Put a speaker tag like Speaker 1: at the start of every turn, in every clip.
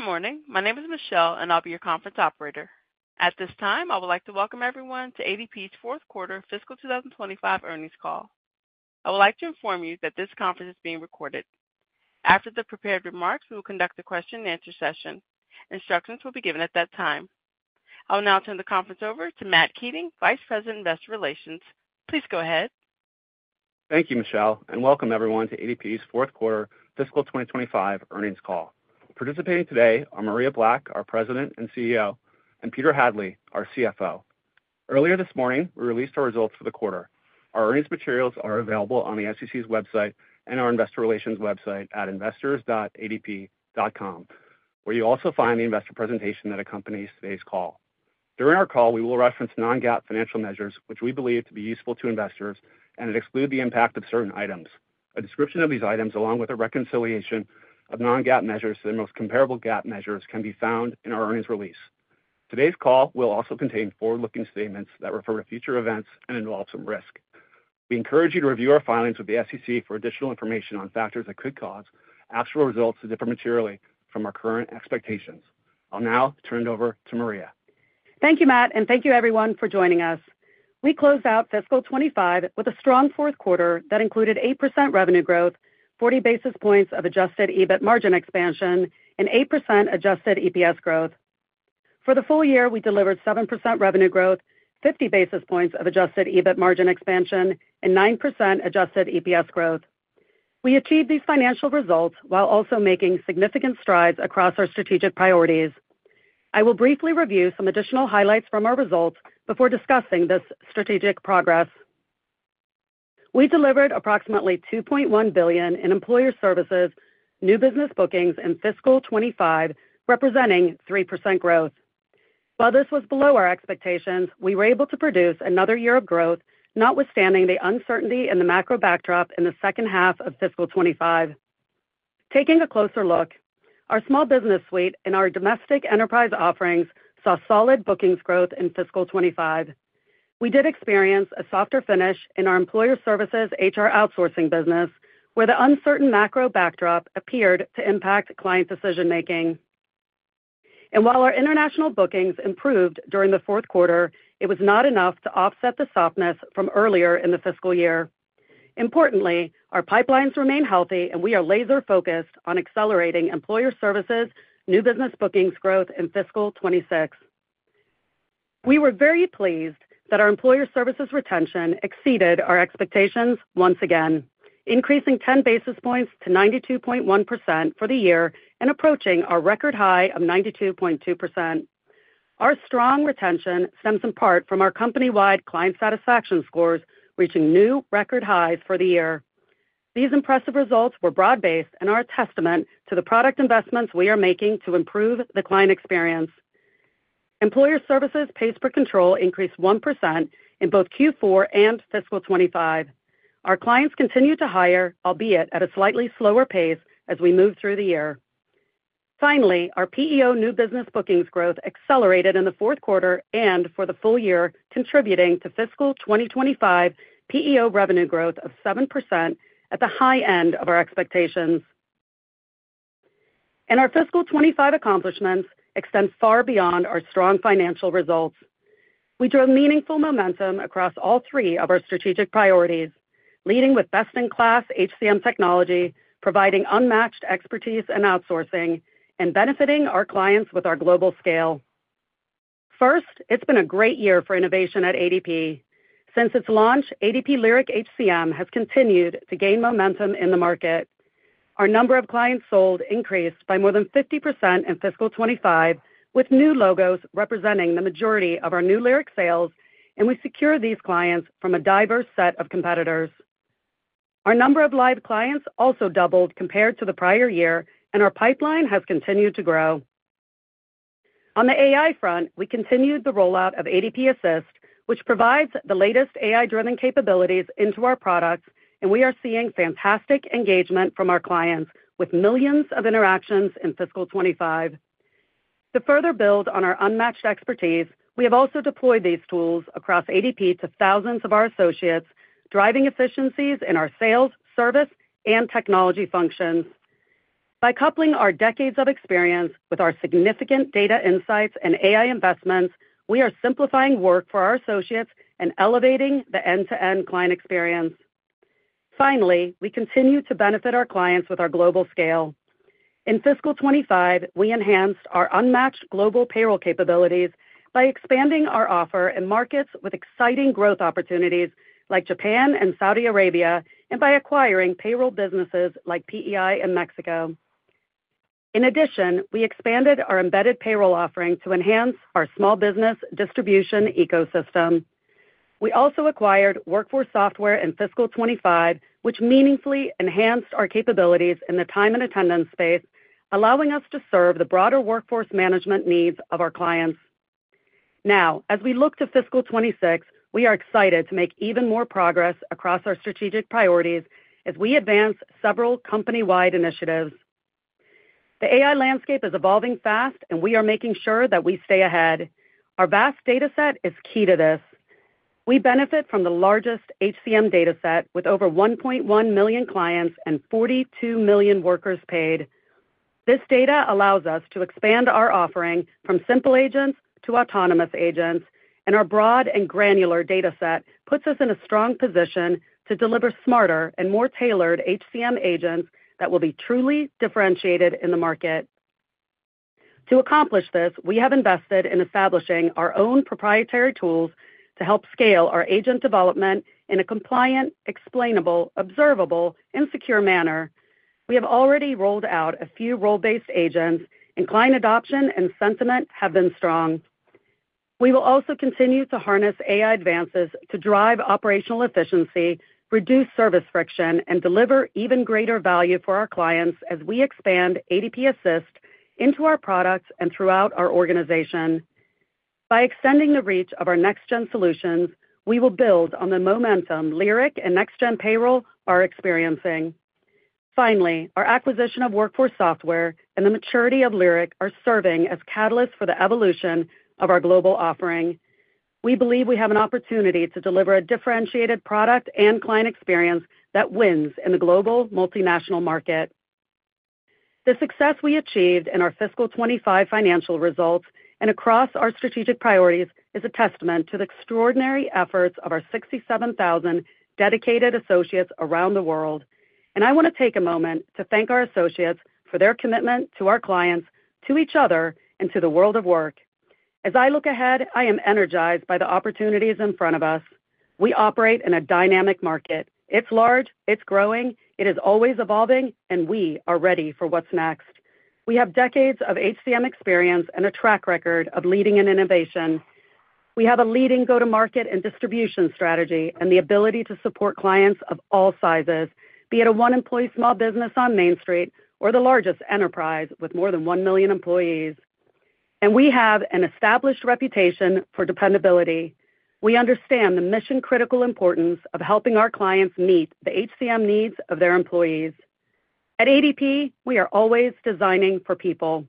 Speaker 1: Good morning. My name is Michelle, and I'll be your conference operator. At this time, I would like to welcome everyone to ADP's Fourth Quarter Fiscal 2025 Earnings Call. I would like to inform you that this conference is being recorded. After the prepared remarks, we will conduct a question-and-answer session. Instructions will be given at that time. I will now turn the conference over to Matt Keating, Vice President, Investor Relations. Please go ahead.
Speaker 2: Thank you, Michelle, and welcome everyone to ADP's Fourth Quarter Fiscal 2025 Earnings Call. Participating today are Maria Black, our President and CEO, and Peter Hadley, our CFO. Earlier this morning, we released our results for the quarter. Our earnings materials are available on the SEC's website and our investor relations website at investors.adp.com, where you'll also find the investor presentation that accompanies today's call. During our call, we will reference non-GAAP financial measures, which we believe to be useful to investors, and exclude the impact of certain items. A description of these items, along with a reconciliation of non-GAAP measures to the most comparable GAAP measures, can be found in our earnings release. Today's call will also contain forward-looking statements that refer to future events and involve some risk. We encourage you to review our filings with the SEC for additional information on factors that could cause actual results to differ materially from our current expectations. I'll now turn it over to Maria.
Speaker 3: Thank you, Matt, and thank you everyone for joining us. We closed out fiscal 2025 with a strong fourth quarter that included 8% revenue growth, 40 basis points of adjusted EBIT margin expansion, and 8% adjusted EPS growth. For the full year, we delivered 7% revenue growth, 50 basis points of adjusted EBIT margin expansion, and 9% adjusted EPS growth. We achieved these financial results while also making significant strides across our strategic priorities. I will briefly review some additional highlights from our results before discussing this strategic progress. We delivered approximately $2.1 billion in Employer Services new business bookings in fiscal 2025, representing 3% growth. While this was below our expectations, we were able to produce another year of growth, notwithstanding the uncertainty in the macro backdrop in the second half of fiscal 2025. Taking a closer look, our small business suite and our domestic enterprise offerings saw solid bookings growth in fiscal 2025. We did experience a softer finish in our Employer Services HR outsourcing business, where the uncertain macro backdrop appeared to impact client decision-making. While our international bookings improved during the fourth quarter, it was not enough to offset the softness from earlier in the fiscal year. Importantly, our pipelines remain healthy, and we are laser-focused on accelerating Employer Services new business bookings growth in fiscal 2026. We were very pleased that our Employer Services retention exceeded our expectations once again, increasing 10 basis points to 92.1% for the year and approaching our record high of 92.2%. Our strong retention stems in part from our company-wide client satisfaction scores reaching new record highs for the year. These impressive results were broad-based and are a testament to the product investments we are making to improve the client experience. Employer Services pace per control increased 1% in both Q4 and fiscal 2025. Our clients continue to hire, albeit at a slightly slower pace, as we move through the year. Finally, our PEO new business bookings growth accelerated in the fourth quarter and for the full year, contributing to fiscal 2025 PEO revenue growth of 7% at the high end of our expectations. Our fiscal 2025 accomplishments extend far beyond our strong financial results. We drove meaningful momentum across all three of our strategic priorities, leading with best-in-class HCM technology, providing unmatched expertise and outsourcing, and benefiting our clients with our global scale. First, it has been a great year for innovation at ADP. Since its launch, ADP Lyric HCM has continued to gain momentum in the market. Our number of clients sold increased by more than 50% in fiscal 2025, with new logos representing the majority of our new Lyric sales, and we secured these clients from a diverse set of competitors. Our number of live clients also doubled compared to the prior year, and our pipeline has continued to grow. On the AI front, we continued the rollout of ADP Assist, which provides the latest AI-driven capabilities into our products, and we are seeing fantastic engagement from our clients with millions of interactions in fiscal 2025. To further build on our unmatched expertise, we have also deployed these tools across ADP to thousands of our associates, driving efficiencies in our sales, service, and technology functions. By coupling our decades of experience with our significant data insights and AI investments, we are simplifying work for our associates and elevating the end-to-end client experience. Finally, we continue to benefit our clients with our global scale. In fiscal 2025, we enhanced our unmatched global payroll capabilities by expanding our offer in markets with exciting growth opportunities like Japan and Saudi Arabia and by acquiring payroll businesses like PEI in Mexico. In addition, we expanded our embedded payroll offering to enhance our small business distribution ecosystem. We also acquired Workforce Software in fiscal 2025, which meaningfully enhanced our capabilities in the time and attendance space, allowing us to serve the broader workforce management needs of our clients. Now, as we look to fiscal 2026, we are excited to make even more progress across our strategic priorities as we advance several company-wide initiatives. The AI landscape is evolving fast, and we are making sure that we stay ahead. Our vast data set is key to this. We benefit from the largest HCM data set with over 1.1 million clients and 42 million workers paid. This data allows us to expand our offering from simple agents to autonomous agents, and our broad and granular data set puts us in a strong position to deliver smarter and more tailored HCM agents that will be truly differentiated in the market. To accomplish this, we have invested in establishing our own proprietary tools to help scale our agent development in a compliant, explainable, observable, and secure manner. We have already rolled out a few role-based agents, and client adoption and sentiment have been strong. We will also continue to harness AI advances to drive operational efficiency, reduce service friction, and deliver even greater value for our clients as we expand ADP Assist into our products and throughout our organization. By extending the reach of our next-gen solutions, we will build on the momentum Lyric and next-gen payroll are experiencing. Finally, our acquisition of Workforce Software and the maturity of Lyric are serving as catalysts for the evolution of our global offering. We believe we have an opportunity to deliver a differentiated product and client experience that wins in the global multinational market. The success we achieved in our fiscal 2025 financial results and across our strategic priorities is a testament to the extraordinary efforts of our 67,000 dedicated associates around the world. I want to take a moment to thank our associates for their commitment to our clients, to each other, and to the world of work. As I look ahead, I am energized by the opportunities in front of us. We operate in a dynamic market. It's large. It's growing. It is always evolving, and we are ready for what's next. We have decades of HCM experience and a track record of leading in innovation. We have a leading go-to-market and distribution strategy and the ability to support clients of all sizes, be it a one-employee small business on Main Street or the largest enterprise with more than one million employees. We have an established reputation for dependability. We understand the mission-critical importance of helping our clients meet the HCM needs of their employees. At ADP, we are always designing for people.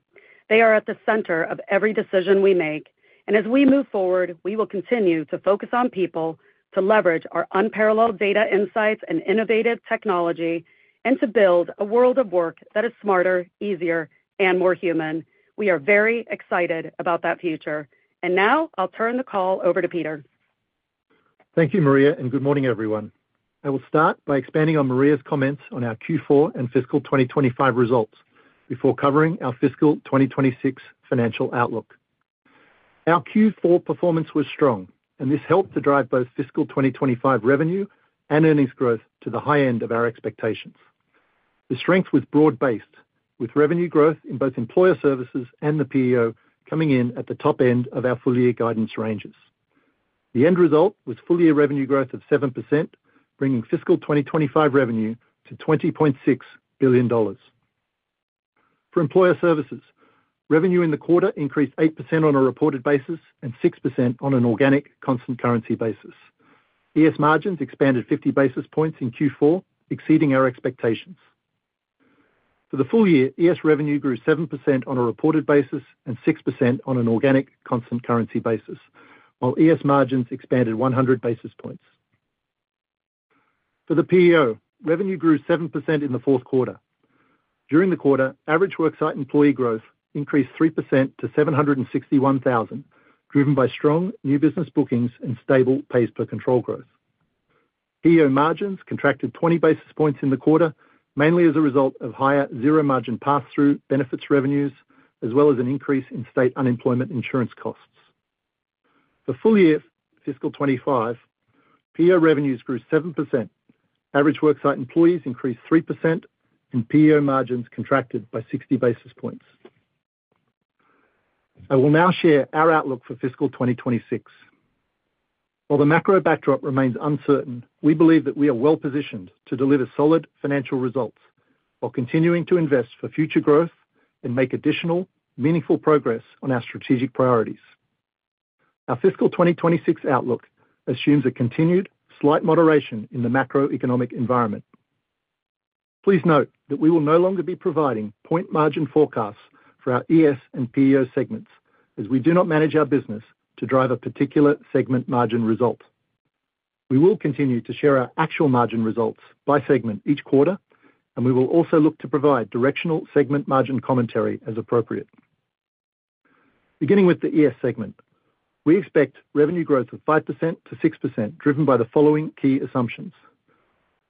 Speaker 3: They are at the center of every decision we make. As we move forward, we will continue to focus on people, to leverage our unparalleled data insights and innovative technology, and to build a world of work that is smarter, easier, and more human. We are very excited about that future. Now I'll turn the call over to Peter.
Speaker 4: Thank you, Maria, and good morning, everyone. I will start by expanding on Maria's comments on our Q4 and fiscal 2025 results before covering our fiscal 2026 financial outlook. Our Q4 performance was strong, and this helped to drive both fiscal 2025 revenue and earnings growth to the high end of our expectations. The strength was broad-based, with revenue growth in both Employer Services and the PEO coming in at the top end of our full-year guidance ranges. The end result was full-year revenue growth of 7%, bringing fiscal 2025 revenue to $20.6 billion. For Employer Services, revenue in the quarter increased 8% on a reported basis and 6% on an organic constant currency basis. ES margins expanded 50 basis points in Q4, exceeding our expectations. For the full year, ES revenue grew 7% on a reported basis and 6% on an organic constant currency basis, while ES margins expanded 100 basis points. For the PEO, revenue grew 7% in the fourth quarter. During the quarter, average worksite employee growth increased 3% to 761,000, driven by strong new business bookings and stable pace per control growth. PEO margins contracted 20 basis points in the quarter, mainly as a result of higher zero-margin pass-through benefits revenues, as well as an increase in state unemployment insurance costs. For full year fiscal 2025, PEO revenues grew 7%, average worksite employees increased 3%, and PEO margins contracted by 60 basis points. I will now share our outlook for fiscal 2026. While the macro backdrop remains uncertain, we believe that we are well-positioned to deliver solid financial results while continuing to invest for future growth and make additional meaningful progress on our strategic priorities. Our fiscal 2026 outlook assumes a continued slight moderation in the macroeconomic environment. Please note that we will no longer be providing point margin forecasts for our ES and PEO segments as we do not manage our business to drive a particular segment margin result. We will continue to share our actual margin results by segment each quarter, and we will also look to provide directional segment margin commentary as appropriate. Beginning with the ES segment, we expect revenue growth of 5% to 6% driven by the following key assumptions.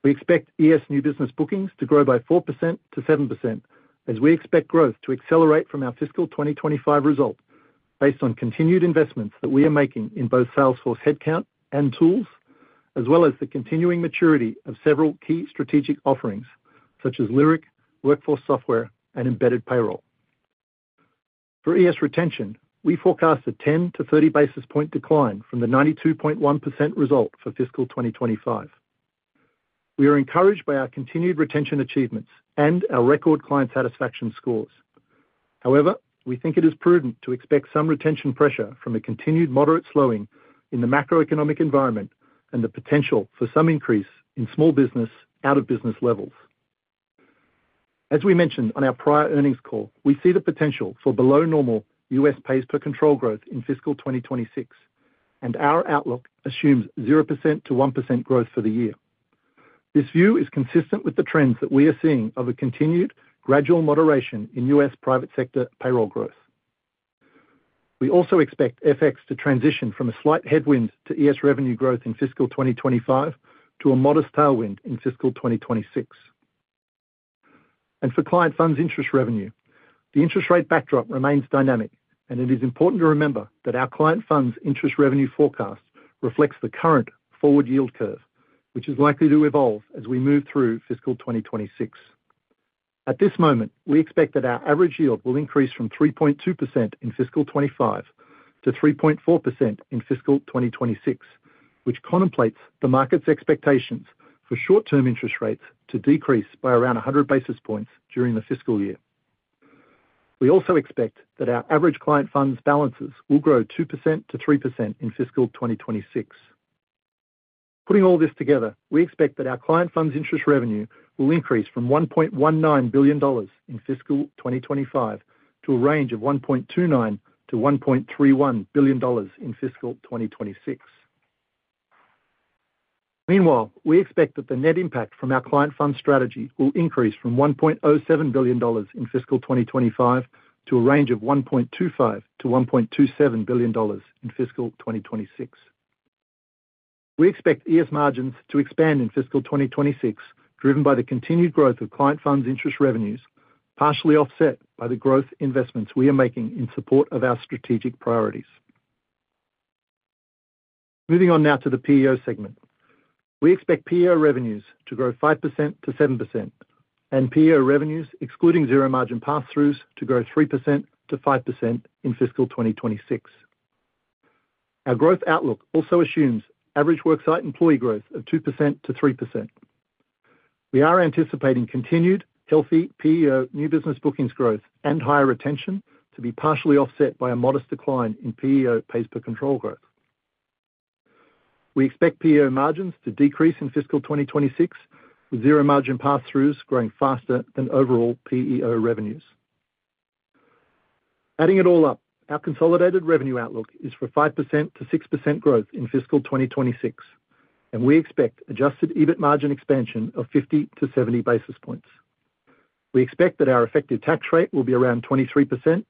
Speaker 4: We expect ES new business bookings to grow by 4% to 7% as we expect growth to accelerate from our fiscal 2025 result based on continued investments that we are making in both Salesforce headcount and tools, as well as the continuing maturity of several key strategic offerings such as Lyric, Workforce Software, and embedded payroll. For ES retention, we forecast a 10 to 30 basis point decline from the 92.1% result for fiscal 2025. We are encouraged by our continued retention achievements and our record client satisfaction scores. However, we think it is prudent to expect some retention pressure from a continued moderate slowing in the macroeconomic environment and the potential for some increase in small business out-of-business levels. As we mentioned on our prior earnings call, we see the potential for below normal U.S. pace per control growth in fiscal 2026, and our outlook assumes 0% to 1% growth for the year. This view is consistent with the trends that we are seeing of a continued gradual moderation in U.S. private sector payroll growth. We also expect FX to transition from a slight headwind to ES revenue growth in fiscal 2025 to a modest tailwind in fiscal 2026. For client funds interest revenue, the interest rate backdrop remains dynamic, and it is important to remember that our client funds interest revenue forecast reflects the current forward yield curve, which is likely to evolve as we move through fiscal 2026. At this moment, we expect that our average yield will increase from 3.2% in fiscal 2025 to 3.4% in fiscal 2026, which contemplates the market's expectations for short-term interest rates to decrease by around 100 basis points during the fiscal year. We also expect that our average client funds balances will grow 2% to 3% in fiscal 2026. Putting all this together, we expect that our client funds interest revenue will increase from $1.19 billion in fiscal 2025 to a range of $1.29 to $1.31 billion in fiscal 2026. Meanwhile, we expect that the net impact from our client funds strategy will increase from $1.07 billion in fiscal 2025 to a range of $1.25 to $1.27 billion in fiscal 2026. We expect ES margins to expand in fiscal 2026, driven by the continued growth of client funds interest revenues, partially offset by the growth investments we are making in support of our strategic priorities. Moving on now to the PEO segment, we expect PEO revenues to grow 5% to 7% and PEO revenues, excluding zero-margin pass-throughs, to grow 3% to 5% in fiscal 2026. Our growth outlook also assumes average worksite employee growth of 2% to 3%. We are anticipating continued healthy PEO new business bookings growth and higher retention to be partially offset by a modest decline in PEO pace per control growth. We expect PEO margins to decrease in fiscal 2026, with zero-margin pass-throughs growing faster than overall PEO revenues. Adding it all up, our consolidated revenue outlook is for 5% to 6% growth in fiscal 2026, and we expect adjusted EBIT margin expansion of 50 to 70 basis points. We expect that our effective tax rate will be around 23%,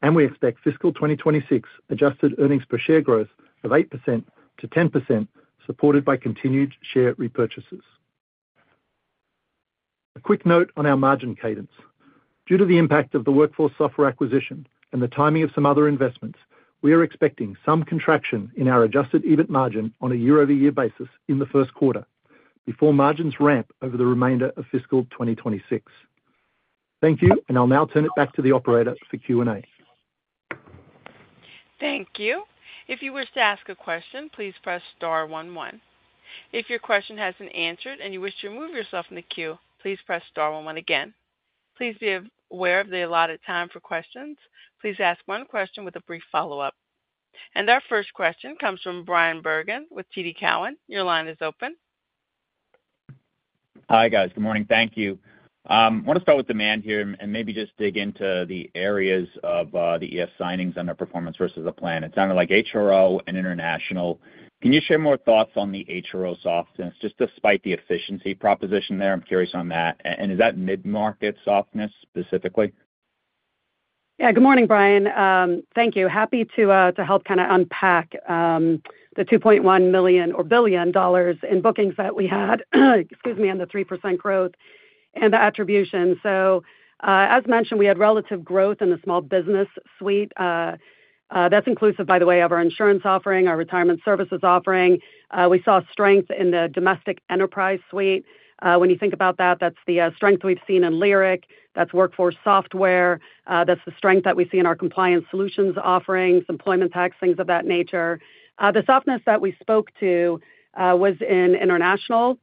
Speaker 4: and we expect fiscal 2026 adjusted earnings per share growth of 8% to 10%, supported by continued share repurchases. A quick note on our margin cadence. Due to the impact of the Workforce Software acquisition and the timing of some other investments, we are expecting some contraction in our adjusted EBIT margin on a year-over-year basis in the first quarter before margins ramp over the remainder of fiscal 2026.Thank you, and I'll now turn it back to the operator for Q&A.
Speaker 1: Thank you. If you wish to ask a question, please press star 11. If your question has not been answered and you wish to remove yourself from the queue, please press star 11 again. Please be aware of the allotted time for questions. Please ask one question with a brief follow-up. Our first question comes from Brian Bergen with TD Cowen. Your line is open.
Speaker 5: Hi, guys. Good morning. Thank you. I want to start with demand here and maybe just dig into the areas of the ES signings and their performance versus the plan. It sounded like HRO and international. Can you share more thoughts on the HRO softness, just despite the efficiency proposition there? I'm curious on that. Is that mid-market softness specifically?
Speaker 3: Yeah. Good morning, Brian. Thank you. Happy to help kind of unpack. The $2.1 billion in bookings that we had, excuse me, and the 3% growth and the attribution. As mentioned, we had relative growth in the small business suite. That's inclusive, by the way, of our insurance offering, our retirement services offering. We saw strength in the domestic enterprise suite. When you think about that, that's the strength we've seen in Lyric. That's Workforce Software. That's the strength that we see in our compliance solutions offerings, employment tax, things of that nature. The softness that we spoke to was in international.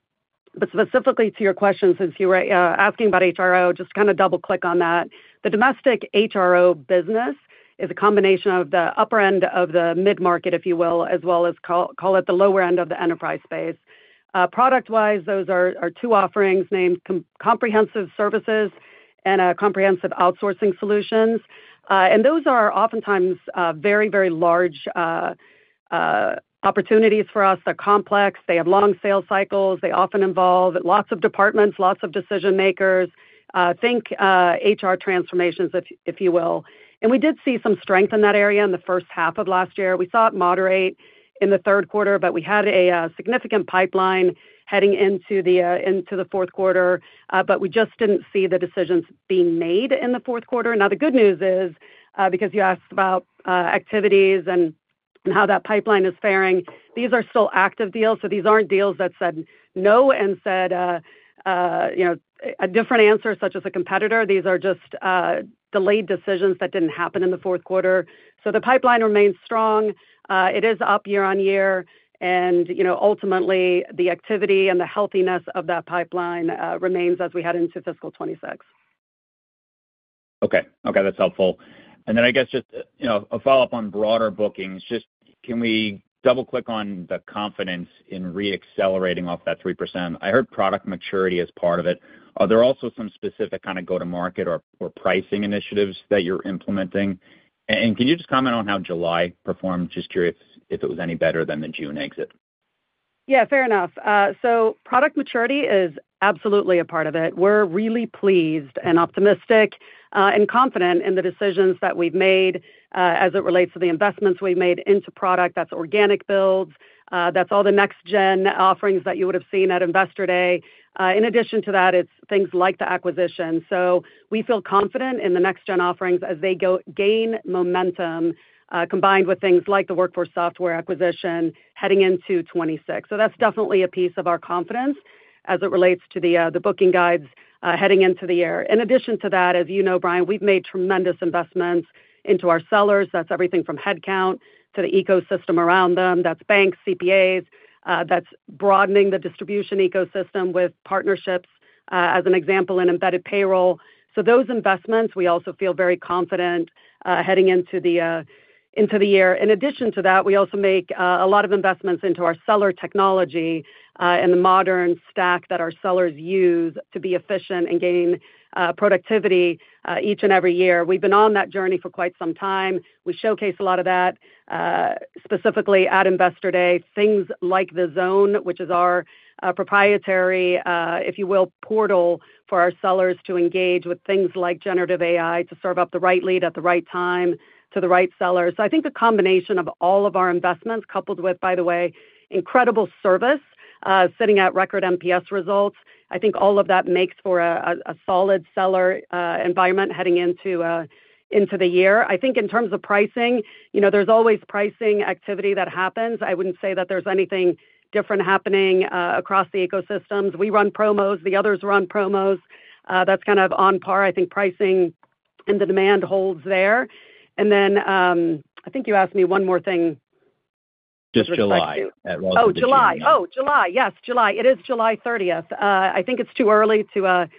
Speaker 3: Specifically to your question, since you were asking about HRO, just to kind of double-click on that, the domestic HRO business is a combination of the upper end of the mid-market, if you will, as well as, call it, the lower end of the enterprise space. Product-wise, those are two offerings named comprehensive services and comprehensive outsourcing solutions. Those are oftentimes very, very large opportunities for us. They're complex. They have long sales cycles. They often involve lots of departments, lots of decision-makers. Think HR transformations, if you will. We did see some strength in that area in the first half of last year. We saw it moderate in the third quarter, but we had a significant pipeline heading into the fourth quarter. We just didn't see the decisions being made in the fourth quarter. The good news is, because you asked about activities and how that pipeline is faring, these are still active deals. These aren't deals that said no and said a different answer, such as a competitor. These are just delayed decisions that didn't happen in the fourth quarter. The pipeline remains strong. It is up year on year. Ultimately, the activity and the healthiness of that pipeline remains as we head into fiscal 2026.
Speaker 5: Okay. Okay. That's helpful. I guess just a follow-up on broader bookings. Just can we double-click on the confidence in re-accelerating off that 3%? I heard product maturity as part of it. Are there also some specific kind of go-to-market or pricing initiatives that you're implementing? Can you just comment on how July performed? Just curious if it was any better than the June exit.
Speaker 3: Yeah, fair enough. Product maturity is absolutely a part of it. We're really pleased and optimistic and confident in the decisions that we've made as it relates to the investments we've made into product. That's organic builds. That's all the next-gen offerings that you would have seen at Investor Day. In addition to that, it's things like the acquisition. We feel confident in the next-gen offerings as they gain momentum combined with things like the Workforce Software acquisition heading into 2026. That's definitely a piece of our confidence as it relates to the booking guides heading into the year. In addition to that, as you know, Brian, we've made tremendous investments into our sellers. That's everything from headcount to the ecosystem around them. That's banks, CPAs. That's broadening the distribution ecosystem with partnerships, as an example, in embedded payroll. Those investments, we also feel very confident heading into the year. In addition to that, we also make a lot of investments into our seller technology and the modern stack that our sellers use to be efficient and gain productivity each and every year. We've been on that journey for quite some time. We showcase a lot of that specifically at Investor Day, things like the Zone, which is our proprietary, if you will, portal for our sellers to engage with things like generative AI to serve up the right lead at the right time to the right sellers. I think the combination of all of our investments, coupled with, by the way, incredible service, sitting at record NPS results, I think all of that makes for a solid seller environment heading into the year. I think in terms of pricing, there's always pricing activity that happens. I wouldn't say that there's anything different happening across the ecosystems. We run promos, the others run promos. That's kind of on par I think pricing and the demand holds there. I think you asked me one more thing.
Speaker 5: Just July.
Speaker 3: Oh, July. Yes, July. It is July 30th. I think it's too early to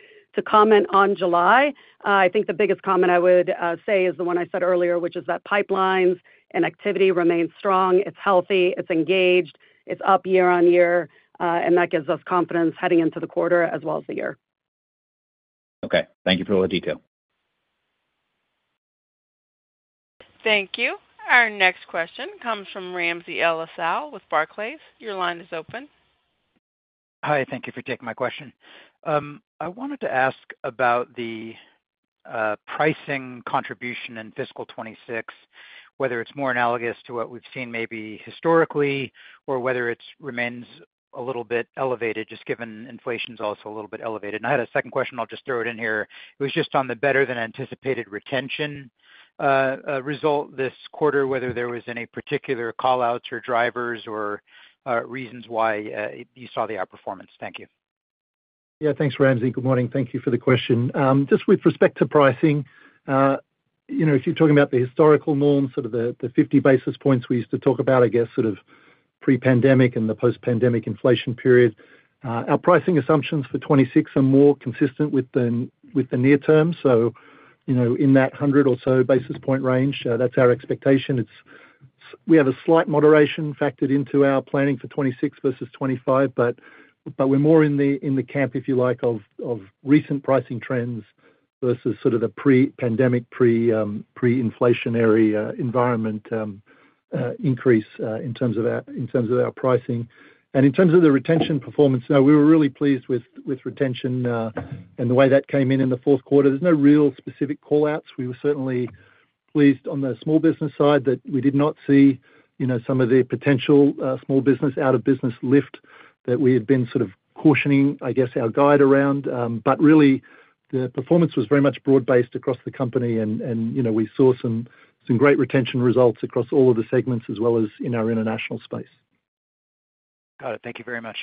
Speaker 3: comment on July. I think the biggest comment I would say is the one I said earlier, which is that pipelines and activity remain strong. It's healthy. It's engaged. It's up year on year. That gives us confidence heading into the quarter as well as the year.
Speaker 5: Okay. Thank you for all the detail.
Speaker 1: Thank you. Our next question comes from Ramsey El-Assal with Barclays. Your line is open.
Speaker 6: Hi. Thank you for taking my question. I wanted to ask about the pricing contribution in fiscal 2026, whether it's more analogous to what we've seen maybe historically or whether it remains a little bit elevated, just given inflation's also a little bit elevated. I had a second question. I'll just throw it in here. It was just on the better-than-anticipated retention result this quarter, whether there was any particular callouts or drivers or reasons why you saw the outperformance. Thank you.
Speaker 4: Yeah. Thanks, Ramsey. Good morning. Thank you for the question. Just with respect to pricing. If you're talking about the historical norm, sort of the 50 basis points we used to talk about, I guess, sort of pre-pandemic and the post-pandemic inflation period. Our pricing assumptions for 2026 are more consistent with the near term. So, in that 100 or so basis point range, that's our expectation. We have a slight moderation factored into our planning for 2026 versus 2025, but we're more in the camp, if you like, of recent pricing trends versus sort of the pre-pandemic, pre-inflationary environment. Increase in terms of our pricing. And in terms of the retention performance, no, we were really pleased with retention and the way that came in in the fourth quarter. There's no real specific callouts. We were certainly pleased on the small business side that we did not see some of the potential small business out-of-business lift that we had been sort of cautioning, I guess, our guide around. But really, the performance was very much broad-based across the company. And we saw some great retention results across all of the segments as well as in our international space.
Speaker 6: Got it. Thank you very much.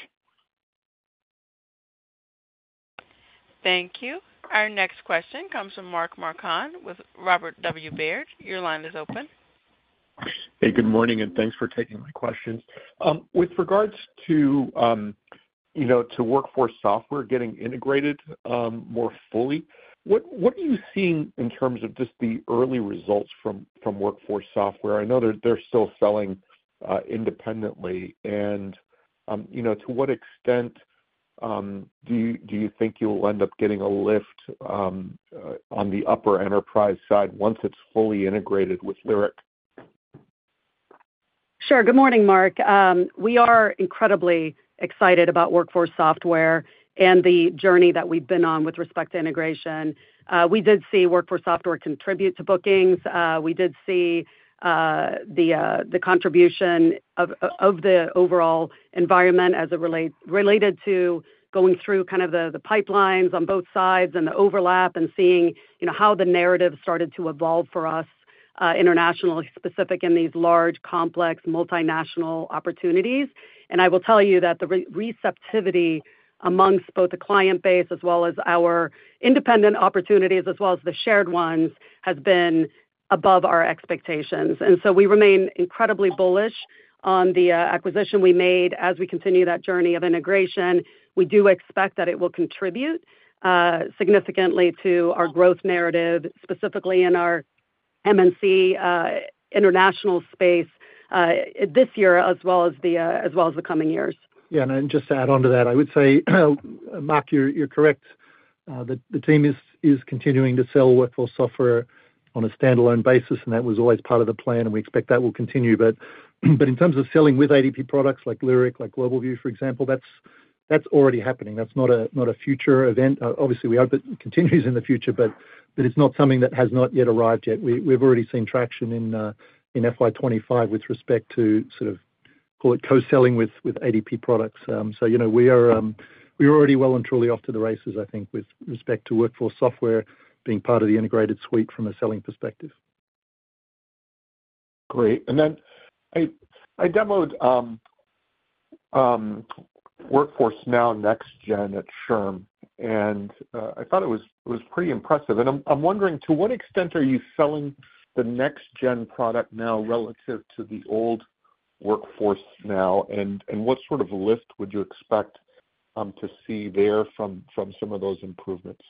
Speaker 1: Thank you. Our next question comes from Mark Marcon with Robert W. Baird. Your line is open.
Speaker 7: Hey, good morning, and thanks for taking my questions. With regards to Workforce Software getting integrated more fully, what are you seeing in terms of just the early results from Workforce Software? I know they're still selling independently. To what extent do you think you'll end up getting a lift on the upper enterprise side once it's fully integrated with Lyric?
Speaker 3: Sure. Good morning, Mark. We are incredibly excited about Workforce Software and the journey that we've been on with respect to integration. We did see Workforce Software contribute to bookings. We did see the contribution of the overall environment as it related to going through kind of the pipelines on both sides and the overlap and seeing how the narrative started to evolve for us. Internationally specific in these large, complex, multinational opportunities. I will tell you that the receptivity amongst both the client base as well as our independent opportunities as well as the shared ones has been above our expectations. We remain incredibly bullish on the acquisition we made as we continue that journey of integration. We do expect that it will contribute significantly to our growth narrative, specifically in our MNC international space this year as well as the coming years.
Speaker 4: Yeah. And just to add on to that, I would say, Mark, you're correct. The team is continuing to sell Workforce Software on a standalone basis, and that was always part of the plan, and we expect that will continue. In terms of selling with ADP products like Lyric, like GlobalView, for example, that's already happening. That's not a future event. Obviously, we hope it continues in the future, but it's not something that has not yet arrived yet. We've already seen traction in FY2025 with respect to sort of, call it, co-selling with ADP products. We are already well and truly off to the races, I think, with respect to Workforce Software being part of the integrated suite from a selling perspective.
Speaker 7: Great. I demoed Workforce Now NextGen at SHRM, and I thought it was pretty impressive. I'm wondering, to what extent are you selling the NextGen product now relative to the old Workforce Now? What sort of lift would you expect to see there from some of those improvements?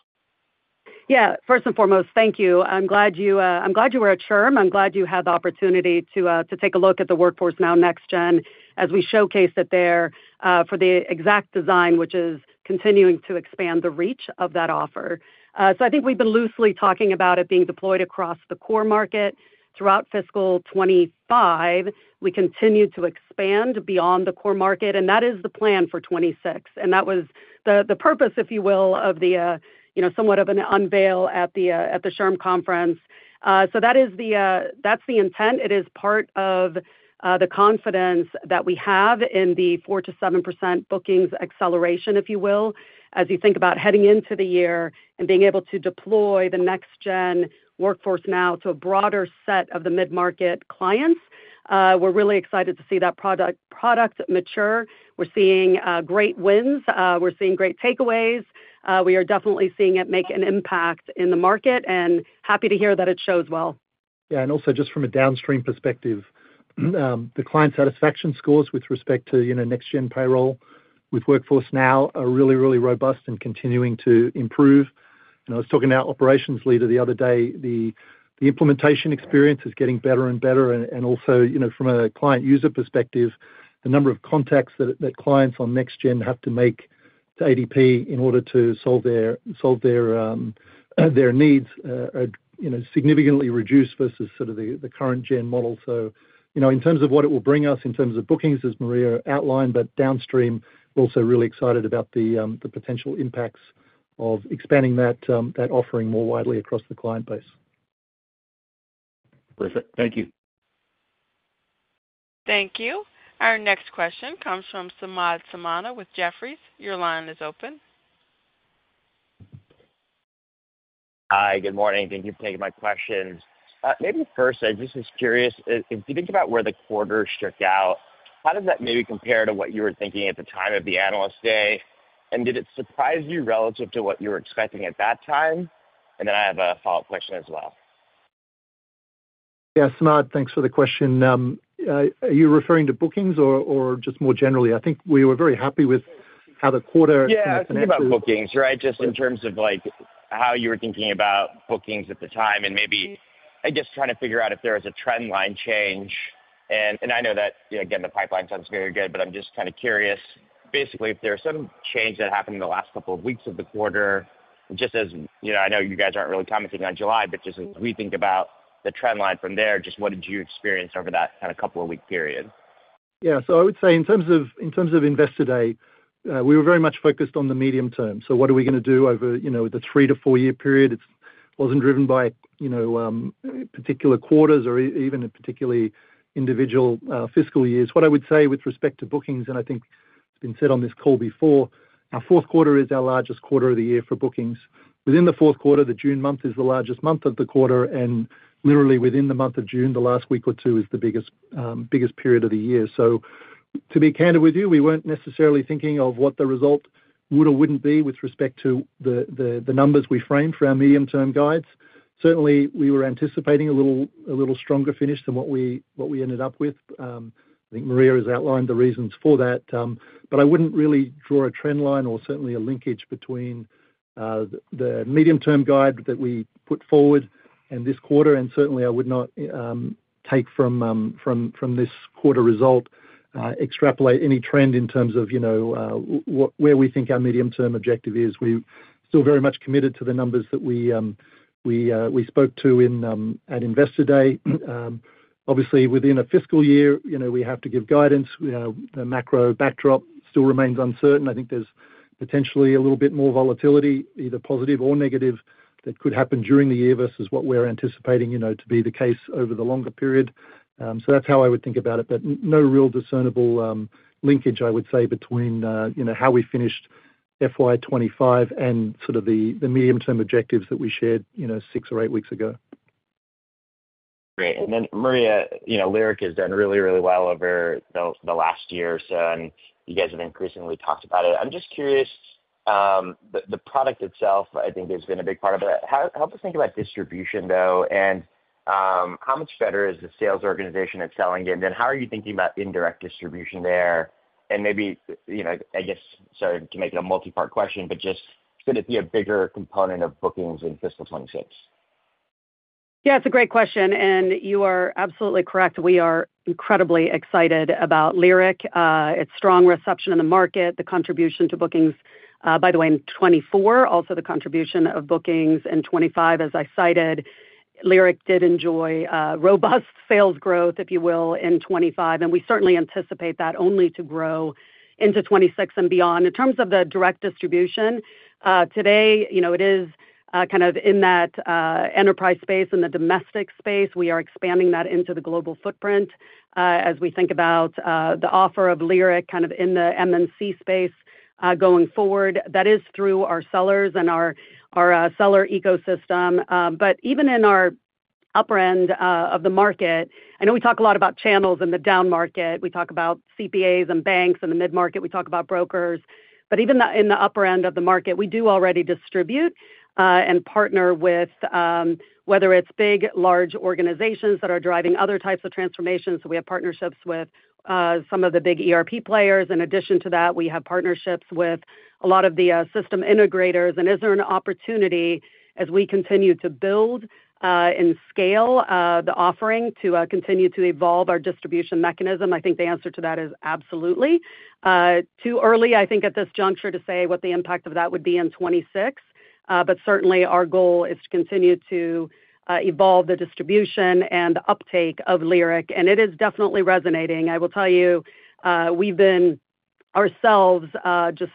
Speaker 3: Yeah. First and foremost, thank you. I'm glad you were at SHRM. I'm glad you had the opportunity to take a look at the Workforce Now NextGen as we showcase it there for the exact design, which is continuing to expand the reach of that offer. I think we've been loosely talking about it being deployed across the core market throughout fiscal 2025. We continue to expand beyond the core market, and that is the plan for 2026. That was the purpose, if you will, of the somewhat of an unveil at the SHRM conference. That's the intent. It is part of the confidence that we have in the 4 to 7% bookings acceleration, if you will, as you think about heading into the year and being able to deploy the NextGen Workforce Now to a broader set of the mid-market clients. We're really excited to see that product mature. We're seeing great wins. We're seeing great takeaways. We are definitely seeing it make an impact in the market and happy to hear that it shows well.
Speaker 4: Yeah. Also, just from a downstream perspective. The client satisfaction scores with respect to NextGen payroll with Workforce Now are really, really robust and continuing to improve. I was talking to our operations leader the other day. The implementation experience is getting better and better. Also, from a client user perspective, the number of contacts that clients on NextGen have to make to ADP in order to solve their needs are significantly reduced versus sort of the current-gen model. In terms of what it will bring us in terms of bookings, as Maria outlined, but downstream, we're also really excited about the potential impacts of expanding that offering more widely across the client base.
Speaker 7: Perfect. Thank you.
Speaker 1: Thank you. Our next question comes from Samad Samana with Jefferies. Your line is open.
Speaker 8: Hi. Good morning. Thank you for taking my questions. Maybe first, I just was curious, if you think about where the quarter shook out, how does that maybe compare to what you were thinking at the time of the analyst day? Did it surprise you relative to what you were expecting at that time? I have a follow-up question as well.
Speaker 4: Yeah. Samad, thanks for the question. Are you referring to bookings or just more generally? I think we were very happy with how the quarter came to an end.
Speaker 8: Yeah. Thinking about bookings, right, just in terms of how you were thinking about bookings at the time and maybe, I guess, trying to figure out if there was a trend line change. I know that, again, the pipeline sounds very good, but I'm just kind of curious, basically, if there's some change that happened in the last couple of weeks of the quarter. Just as I know you guys aren't really commenting on July, but just as we think about the trend line from there, just what did you experience over that kind of couple of week period?
Speaker 4: Yeah. I would say in terms of Investor Day, we were very much focused on the medium term. What are we going to do over the three to four-year period? It was not driven by particular quarters or even a particular individual fiscal year. What I would say with respect to bookings, and I think it has been said on this call before, our fourth quarter is our largest quarter of the year for bookings. Within the fourth quarter, the June month is the largest month of the quarter. Literally, within the month of June, the last week or two is the biggest period of the year. To be candid with you, we were not necessarily thinking of what the result would or would not be with respect to the numbers we framed for our medium-term guides. Certainly, we were anticipating a little stronger finish than what we ended up with. I think Maria has outlined the reasons for that. I would not really draw a trend line or a linkage between the medium-term guide that we put forward in this quarter. I would not take from this quarter result and extrapolate any trend in terms of where we think our medium-term objective is. We are still very much committed to the numbers that we spoke to at Investor Day. Obviously, within a fiscal year, we have to give guidance. The macro backdrop still remains uncertain. I think there is potentially a little bit more volatility, either positive or negative, that could happen during the year versus what we are anticipating to be the case over the longer period. That is how I would think about it. No real discernible linkage, I would say, between how we finished FY2025 and the medium-term objectives that we shared six or eight weeks ago.
Speaker 8: Great. Maria, Lyric has done really, really well over the last year or so, and you guys have increasingly talked about it. I'm just curious. The product itself, I think, has been a big part of it. Help us think about distribution, though. How much better is the sales organization at selling it? How are you thinking about indirect distribution there? Maybe, I guess, sorry to make it a multi-part question, but just could it be a bigger component of bookings in fiscal 2026?
Speaker 3: Yeah. It's a great question. And you are absolutely correct. We are incredibly excited about Lyric. Its strong reception in the market, the contribution to bookings, by the way, in 2024, also the contribution of bookings in 2025, as I cited, Lyric did enjoy robust sales growth, if you will, in 2025. And we certainly anticipate that only to grow into 2026 and beyond. In terms of the direct distribution, today, it is kind of in that enterprise space, in the domestic space. We are expanding that into the global footprint as we think about the offer of Lyric kind of in the MNC space going forward. That is through our sellers and our seller ecosystem. But even in our upper end of the market, I know we talk a lot about channels in the down market. We talk about CPAs and banks in the mid-market. We talk about brokers. But even in the upper end of the market, we do already distribute and partner with, whether it's big, large organizations that are driving other types of transformation. So we have partnerships with some of the big ERP players. In addition to that, we have partnerships with a lot of the system integrators. And is there an opportunity, as we continue to build and scale the offering, to continue to evolve our distribution mechanism? I think the answer to that is absolutely. Too early, I think, at this juncture to say what the impact of that would be in 2026. But certainly, our goal is to continue to evolve the distribution and the uptake of Lyric. And it is definitely resonating. I will tell you, we've been ourselves just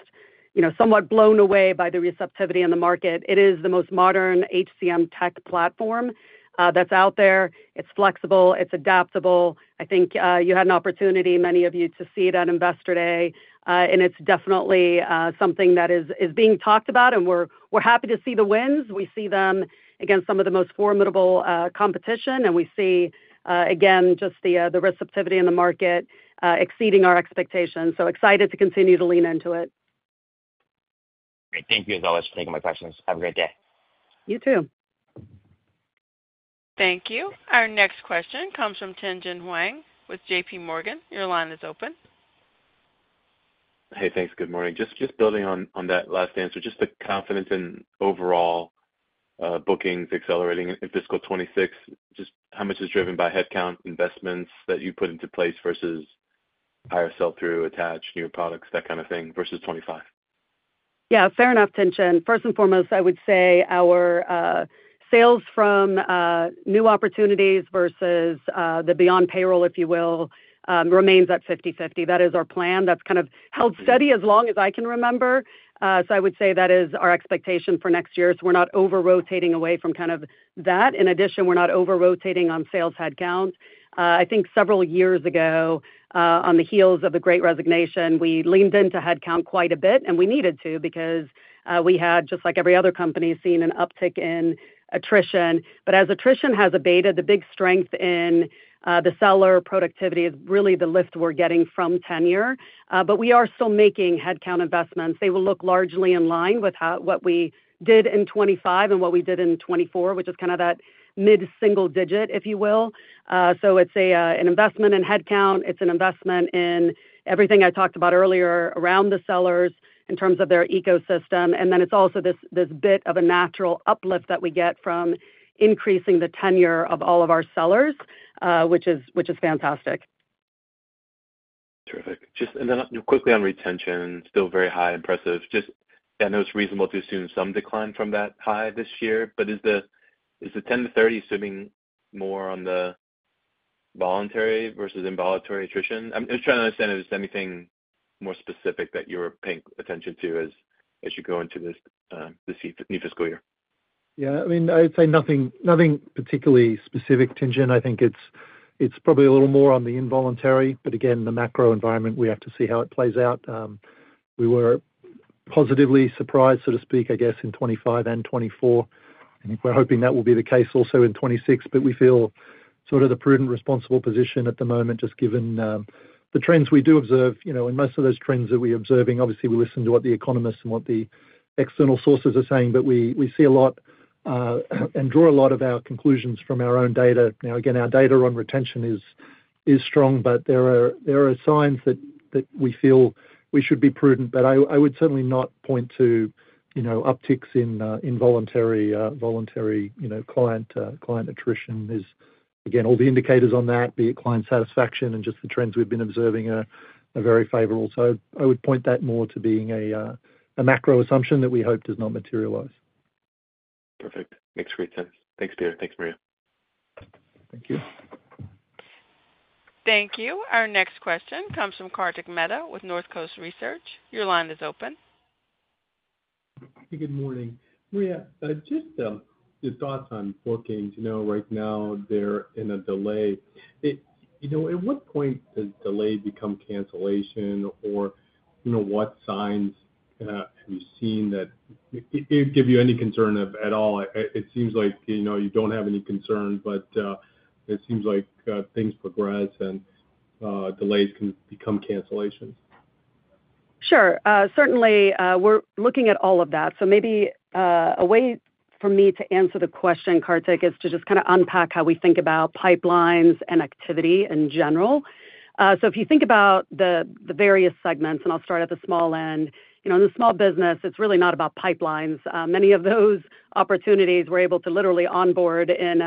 Speaker 3: somewhat blown away by the receptivity in the market. It is the most modern HCM tech platform that's out there. It's flexible, it's adaptable. I think you had an opportunity, many of you, to see it at Investor Day. And it's definitely something that is being talked about. And we're happy to see the wins. We see them against some of the most formidable competition. And we see, again, just the receptivity in the market exceeding our expectations. So excited to continue to lean into it.
Speaker 8: Great. Thank you as always for taking my questions. Have a great day.
Speaker 3: You too.
Speaker 1: Thank you. Our next question comes from Tien-tsin Huang with JPMorgan. Your line is open.
Speaker 9: Hey, thanks. Good morning. Just building on that last answer, just the confidence in overall bookings accelerating in fiscal 2026, just how much is driven by headcount investments that you put into place versus hire, sell through, attach, new products, that kind of thing, versus 2025?
Speaker 10: Yeah. Fair enough, Tianjin. First and foremost, I would say our sales from new opportunities versus the beyond payroll, if you will, remains at 50/50. That is our plan. That has kind of held steady as long as I can remember. I would say that is our expectation for next year. We are not over-rotating away from kind of that. In addition, we are not over-rotating on sales headcount. I think several years ago, on the heels of the great resignation, we leaned into headcount quite a bit. We needed to because we had, just like every other company, seen an uptick in attrition. As attrition has abated, the big strength in the seller productivity is really the lift we are getting from tenure. We are still making headcount investments. They will look largely in line with what we did in 2025 and what we did in 2024, which is kind of that mid-single digit, if you will. It is an investment in headcount. It is an investment in everything I talked about earlier around the sellers in terms of their ecosystem. It is also this bit of a natural uplift that we get from increasing the tenure of all of our sellers, which is fantastic.
Speaker 9: Terrific. And then quickly on retention, still very high, impressive. I know it's reasonable to assume some decline from that high this year, but is the 10-30, assuming more on the voluntary versus involuntary attrition? I'm just trying to understand if there's anything more specific that you were paying attention to as you go into this new fiscal year.
Speaker 11: Yeah. I mean, I'd say nothing particularly specific, Tianjin. I think it's probably a little more on the involuntary. Again, the macro environment, we have to see how it plays out. We were positively surprised, so to speak, I guess, in 2025 and 2024. We're hoping that will be the case also in 2026. We feel sort of the prudent, responsible position at the moment, just given the trends we do observe. Most of those trends that we're observing, obviously, we listen to what the economists and what the external sources are saying. We see a lot and draw a lot of our conclusions from our own data. Now, again, our data on retention is strong, but there are signs that we feel we should be prudent. I would certainly not point to upticks in involuntary client attrition. Again, all the indicators on that, be it client satisfaction and just the trends we've been observing, are very favorable. I would point that more to being a macro assumption that we hope does not materialize.
Speaker 9: Perfect. Makes great sense. Thanks, Peter. Thanks, Maria.
Speaker 4: Thank you.
Speaker 1: Thank you. Our next question comes from Kartik Mehta with Northcoast Research. Your line is open.
Speaker 12: Good morning. Maria, just your thoughts on bookings. I know right now they're in a delay. At what point does delay become cancellation? What signs have you seen that give you any concern at all? It seems like you don't have any concern, but it seems like things progress and delays can become cancellations.
Speaker 3: Sure. Certainly, we're looking at all of that. Maybe a way for me to answer the question, Kartik, is to just kind of unpack how we think about pipelines and activity in general. If you think about the various segments, and I'll start at the small end, in the small business, it's really not about pipelines. Many of those opportunities, we're able to literally onboard in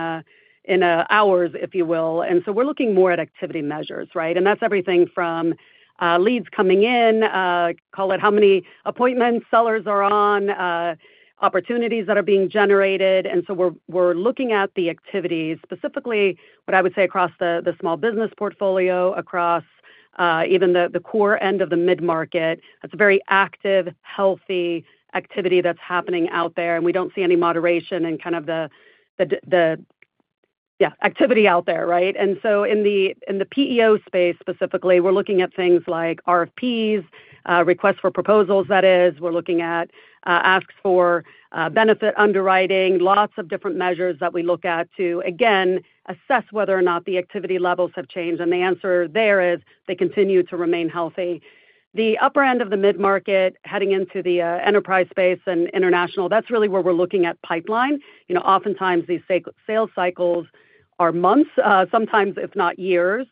Speaker 3: hours, if you will. We're looking more at activity measures, right? That's everything from leads coming in, call it how many appointments sellers are on, opportunities that are being generated. We're looking at the activities, specifically what I would say across the small business portfolio, across even the core end of the mid-market. That's a very active, healthy activity that's happening out there. We don't see any moderation in kind of the activity out there, right? In the PEO space, specifically, we're looking at things like RFPs, requests for proposals, that is. We're looking at asks for benefit underwriting, lots of different measures that we look at to, again, assess whether or not the activity levels have changed. The answer there is they continue to remain healthy. The upper end of the mid-market, heading into the enterprise space and international, that's really where we're looking at pipeline. Oftentimes, these sales cycles are months, sometimes, if not years.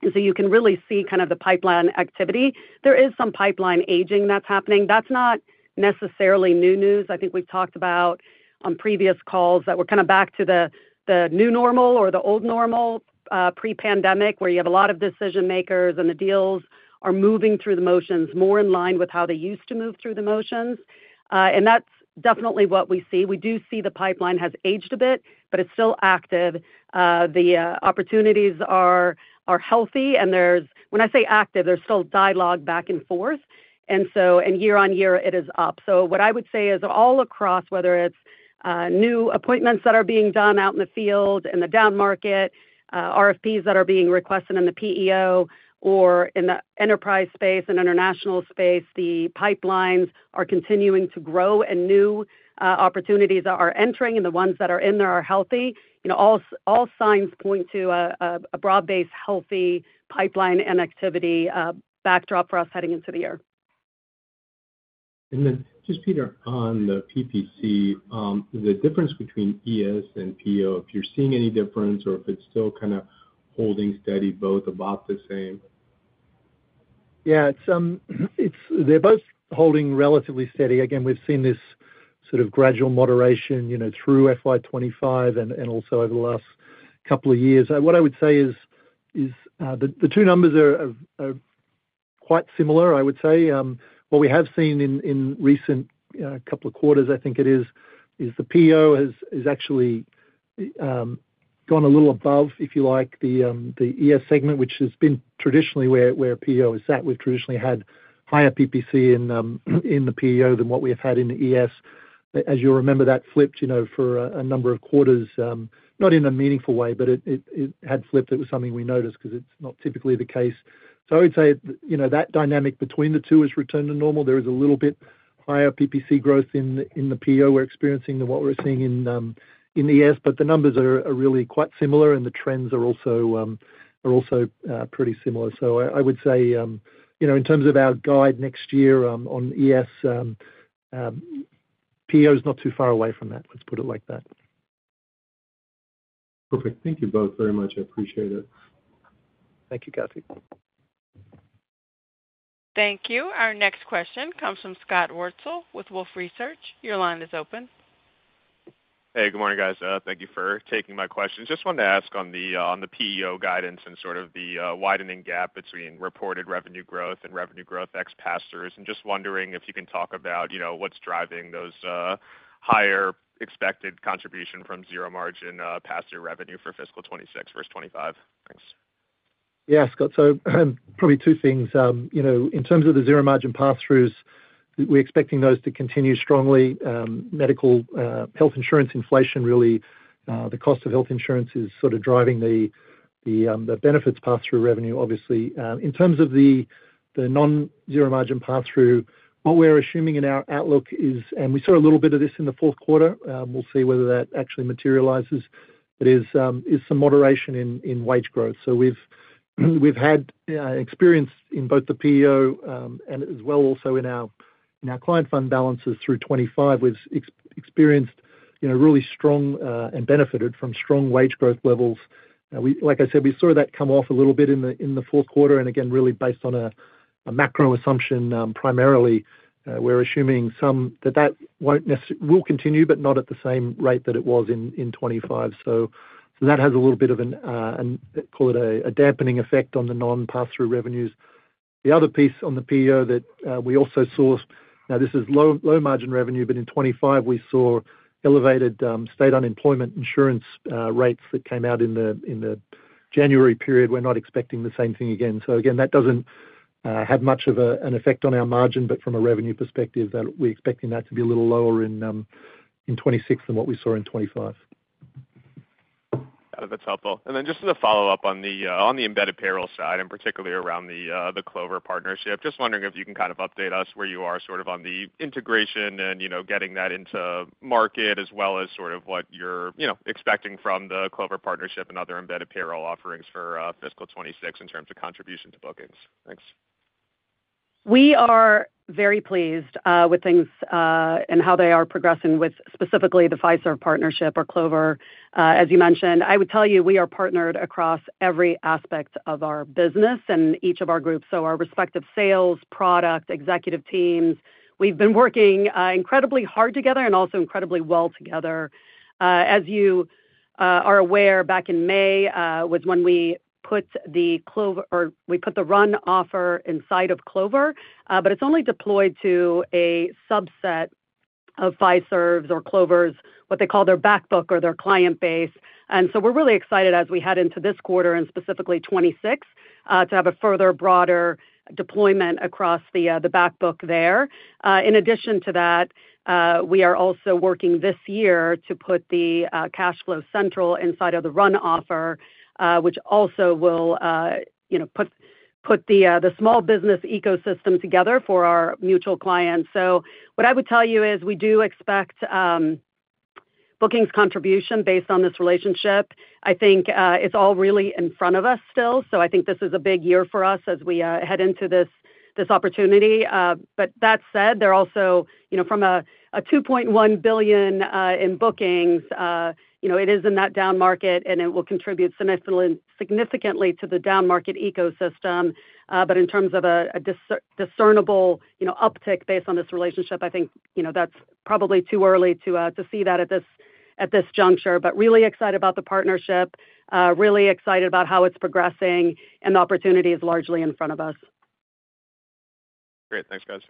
Speaker 3: You can really see kind of the pipeline activity. There is some pipeline aging that's happening. That's not necessarily new news. I think we've talked about on previous calls that we're kind of back to the new normal or the old normal pre-pandemic, where you have a lot of decision-makers and the deals are moving through the motions more in line with how they used to move through the motions. That's definitely what we see. We do see the pipeline has aged a bit, but it's still active. The opportunities are healthy. When I say active, there's still dialogue back and forth. Year-on-year, it is up. What I would say is all across, whether it's new appointments that are being done out in the field, in the down market, RFPs that are being requested in the PEO, or in the enterprise space, in international space, the pipelines are continuing to grow, and new opportunities are entering, and the ones that are in there are healthy. All signs point to a broad-based, healthy pipeline and activity backdrop for us heading into the year.
Speaker 12: Peter, on the PPC, the difference between ES and PEO, if you're seeing any difference or if it's still kind of holding steady, both about the same?
Speaker 4: Yeah. They're both holding relatively steady. Again, we've seen this sort of gradual moderation through FY2025 and also over the last couple of years. What I would say is, the two numbers are quite similar, I would say. What we have seen in recent couple of quarters, I think it is, is the PEO has actually gone a little above, if you like, the ES segment, which has been traditionally where PEO has sat. We've traditionally had higher PPC in the PEO than what we have had in the ES. As you'll remember, that flipped for a number of quarters, not in a meaningful way, but it had flipped. It was something we noticed because it's not typically the case. I would say that dynamic between the two has returned to normal. There is a little bit higher PPC growth in the PEO we're experiencing than what we're seeing in the ES. The numbers are really quite similar, and the trends are also pretty similar. I would say, in terms of our guide next year on ES, PEO is not too far away from that. Let's put it like that.
Speaker 12: Perfect. Thank you both very much. I appreciate it.
Speaker 4: Thank you, Kartik.
Speaker 1: Thank you. Our next question comes from Scott Wurtzel with Wolfe Research. Your line is open.
Speaker 13: Hey, good morning, guys. Thank you for taking my question. Just wanted to ask on the PEO guidance and sort of the widening gap between reported revenue growth and revenue growth ex pass-throughs. Just wondering if you can talk about what's driving those. Higher expected contribution from zero-margin pass-through revenue for fiscal 2026 versus 2025. Thanks.
Speaker 4: Yeah, Scott. So probably two things. In terms of the zero-margin pass-throughs, we're expecting those to continue strongly. Medical health insurance inflation, really, the cost of health insurance is sort of driving the benefits pass-through revenue, obviously. In terms of the non-zero-margin pass-through, what we're assuming in our outlook is, and we saw a little bit of this in the fourth quarter, we'll see whether that actually materializes. It is some moderation in wage growth. So we've had experience in both the PEO and as well also in our client fund balances through 2025. We've experienced really strong and benefited from strong wage growth levels. Like I said, we saw that come off a little bit in the fourth quarter. And again, really based on a macro assumption, primarily, we're assuming that that will continue, but not at the same rate that it was in 2025. So that has a little bit of an, call it, a dampening effect on the non-pass-through revenues. The other piece on the PEO that we also saw, now this is low-margin revenue, but in 2025, we saw elevated state unemployment insurance rates that came out in the January period. We're not expecting the same thing again. So again, that doesn't have much of an effect on our margin, but from a revenue perspective, we're expecting that to be a little lower in 2026 than what we saw in 2025.
Speaker 13: That's helpful. Just as a follow-up on the embedded payroll side, and particularly around the Clover partnership, just wondering if you can kind of update us where you are sort of on the integration and getting that into market, as well as sort of what you're expecting from the Clover partnership and other embedded payroll offerings for fiscal 2026 in terms of contribution to bookings. Thanks.
Speaker 3: We are very pleased with things and how they are progressing with specifically the Fiserv partnership or Clover. As you mentioned, I would tell you we are partnered across every aspect of our business and each of our groups. So our respective sales, product, executive teams, we've been working incredibly hard together and also incredibly well together. As you are aware, back in May was when we put the Clover or we put the Run offer inside of Clover, but it's only deployed to a subset of Fiserv's or Clover's, what they call their backbook or their client base. And so we're really excited as we head into this quarter and specifically 2026 to have a further broader deployment across the backbook there. In addition to that, we are also working this year to put the CashFlow Central inside of the Run offer, which also will put the small business ecosystem together for our mutual clients. So what I would tell you is we do expect bookings contribution based on this relationship. I think it's all really in front of us still. I think this is a big year for us as we head into this opportunity. That said, also from a $2.1 billion in bookings, it is in that down market, and it will contribute significantly to the down market ecosystem. In terms of a discernible uptick based on this relationship, I think that's probably too early to see that at this juncture. Really excited about the partnership, really excited about how it's progressing, and the opportunity is largely in front of us.
Speaker 13: Great. Thanks, guys.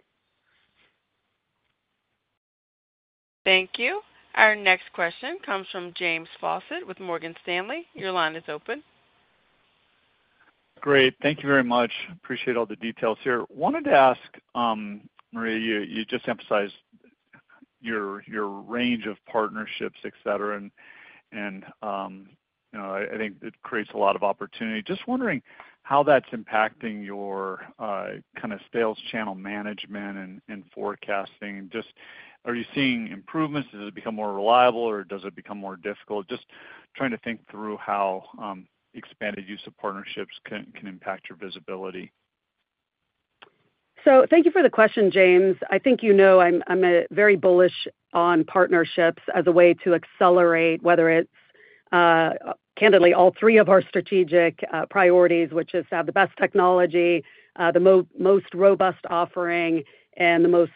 Speaker 1: Thank you. Our next question comes from James Fawcett with Morgan Stanley. Your line is open.
Speaker 14: Great. Thank you very much. Appreciate all the details here. Wanted to ask, Maria, you just emphasized your range of partnerships, etc. I think it creates a lot of opportunity. Just wondering how that's impacting your kind of sales channel management and forecasting. Are you seeing improvements? Has it become more reliable, or does it become more difficult? Just trying to think through how expanded use of partnerships can impact your visibility.
Speaker 3: Thank you for the question, James. I think you know I'm very bullish on partnerships as a way to accelerate, whether it's, candidly, all three of our strategic priorities, which is to have the best technology, the most robust offering, and the most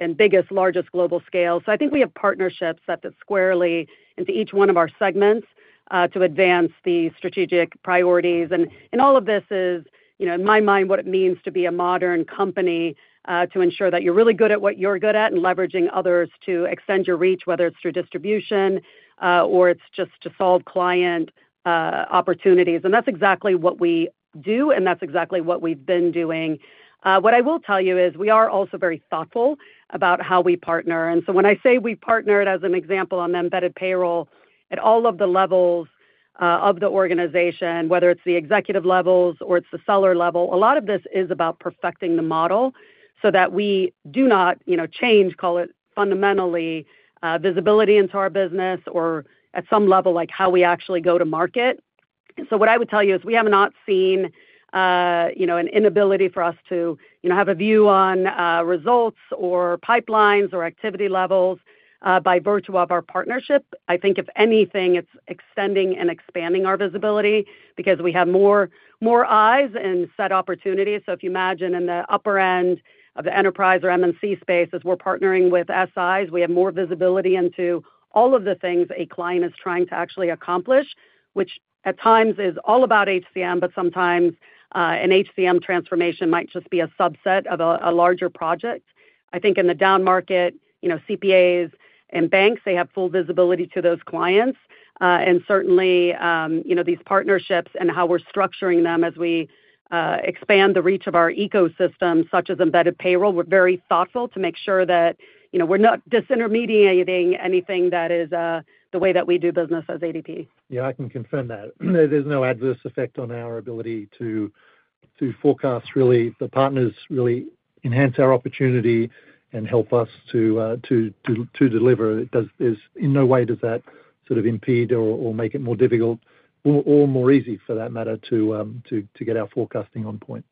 Speaker 3: and biggest, largest global scale. I think we have partnerships that fit squarely into each one of our segments to advance the strategic priorities. All of this is, in my mind, what it means to be a modern company to ensure that you're really good at what you're good at and leveraging others to extend your reach, whether it's through distribution or it's just to solve client opportunities. That's exactly what we do, and that's exactly what we've been doing. What I will tell you is we are also very thoughtful about how we partner. When I say we partnered, as an example, on the embedded payroll, at all of the levels of the organization, whether it's the executive levels or it's the seller level, a lot of this is about perfecting the model so that we do not change, call it, fundamentally, visibility into our business or at some level, like how we actually go to market. What I would tell you is we have not seen an inability for us to have a view on results or pipelines or activity levels by virtue of our partnership. I think, if anything, it's extending and expanding our visibility because we have more eyes and set opportunities. If you imagine in the upper end of the enterprise or M&C space, as we're partnering with SIS, we have more visibility into all of the things a client is trying to actually accomplish, which at times is all about HCM, but sometimes an HCM transformation might just be a subset of a larger project. I think in the down market, CPAs and banks, they have full visibility to those clients. Certainly, these partnerships and how we're structuring them as we expand the reach of our ecosystem, such as embedded payroll, we're very thoughtful to make sure that we're not disintermediating anything that is the way that we do business as ADP.
Speaker 4: Yeah, I can confirm that. There's no adverse effect on our ability to forecast, really. The partners really enhance our opportunity and help us to deliver. In no way does that sort of impede or make it more difficult, or more easy, for that matter, to get our forecasting on point.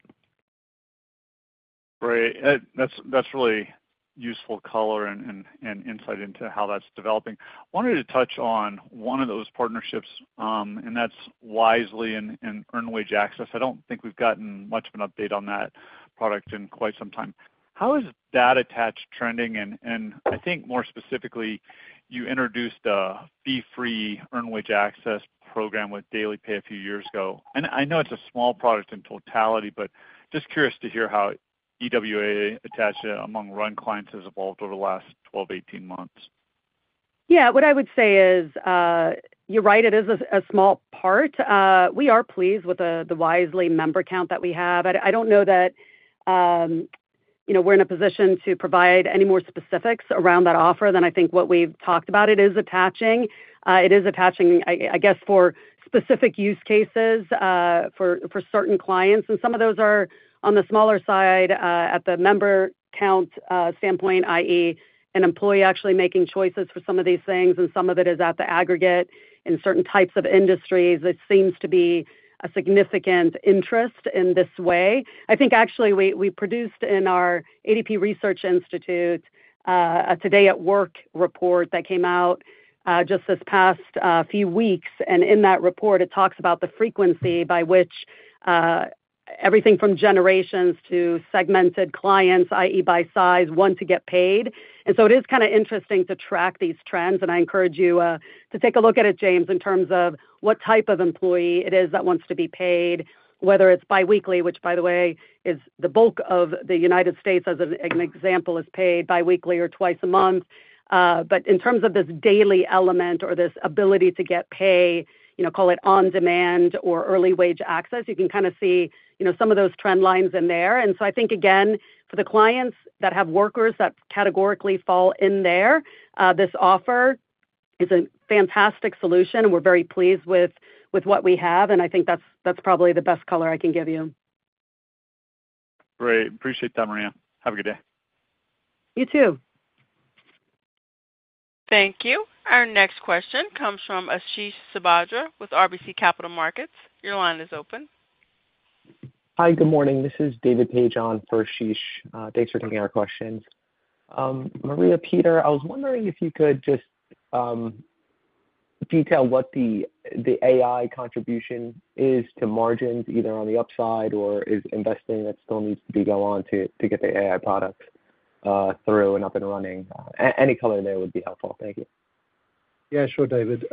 Speaker 14: Great. That's really useful color and insight into how that's developing. I wanted to touch on one of those partnerships, and that's Wisely and Earned Wage Access. I don't think we've gotten much of an update on that product in quite some time. How has that attached trending? I think more specifically, you introduced a fee-free Earned Wage Access program with DailyPay a few years ago. I know it's a small product in totality, but just curious to hear how EWA attached among run clients has evolved over the last 12-18 months. Yeah. What I would say is, you're right. It is a small part. We are pleased with the Wisely member count that we have. I don't know that we're in a position to provide any more specifics around that offer than I think what we've talked about. It is attaching. It is attaching, I guess, for specific use cases for certain clients. Some of those are on the smaller side at the member count standpoint, i.e., an employee actually making choices for some of these things, and some of it is at the aggregate in certain types of industries. There seems to be a significant interest in this way. I think, actually, we produced in our ADP Research Institute a Today at Work report that came out just this past few weeks. In that report, it talks about the frequency by which everything from generations to segmented clients, i.e., by size, want to get paid. It is kind of interesting to track these trends. I encourage you to take a look at it, James, in terms of what type of employee it is that wants to be paid, whether it's biweekly, which, by the way, is the bulk of the United States, as an example, is paid biweekly or twice a month. In terms of this daily element or this ability to get pay, call it on-demand or early wage access, you can kind of see some of those trend lines in there. I think, again, for the clients that have workers that categorically fall in there, this offer is a fantastic solution. We're very pleased with what we have. I think that's probably the best color I can give you. Great. Appreciate that, Maria. Have a good day.
Speaker 3: You too.
Speaker 1: Thank you. Our next question comes from Ashish Sabadra with RBC Capital Markets. Your line is open.
Speaker 15: Hi, good morning. This is David Page on for Ashish. Thanks for taking our questions. Maria, Peter, I was wondering if you could just detail what the AI contribution is to margins, either on the upside or is investing that still needs to be going on to get the AI product through and up and running. Any color there would be helpful. Thank you.
Speaker 4: Yeah, sure, David.